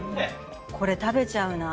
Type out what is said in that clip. これ食べちゃうな。